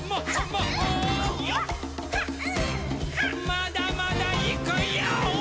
まだまだいくヨー！